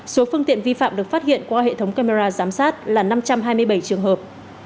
số phương tiện vi phạm được phát hiện qua hệ thống camera giám sát là năm trăm hai mươi bảy trường hợp